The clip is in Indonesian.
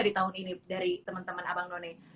di tahun ini dari teman teman abang none